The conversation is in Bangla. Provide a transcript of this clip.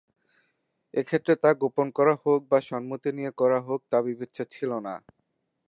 এক্ষেত্রে তা গোপনে করা হোক বা সম্মতি নিয়ে করা হোক তা বিবেচ্য ছিল না।